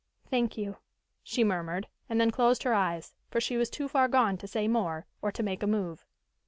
"Thank you," she murmured, and then closed her eyes, for she was too far gone to say more, or to make a move.